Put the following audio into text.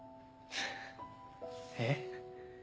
えっ？